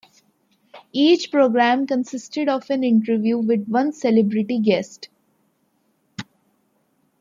Each programme consisted of an interview with one celebrity guest.